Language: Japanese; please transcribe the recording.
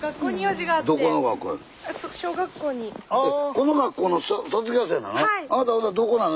この学校の卒業生なの？